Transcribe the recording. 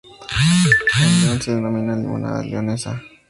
En León se denomina limonada leonesa.